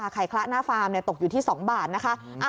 คละหน้าฟาร์มตกอยู่ที่๒บาทนะคะ